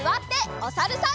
おさるさん。